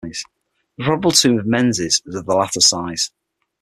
The probable tomb of Menes is of the latter size.